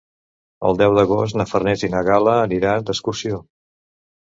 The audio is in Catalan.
El deu d'agost na Farners i na Gal·la aniran d'excursió.